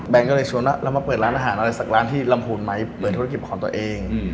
ก็เลยชวนว่าเรามาเปิดร้านอาหารอะไรสักร้านที่ลำพูนไหมเปิดธุรกิจของตัวเอง